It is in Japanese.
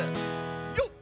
よっ！